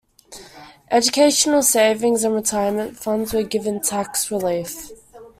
Educational savings and retirement funds were given tax relief.